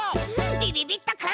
びびびっとくん。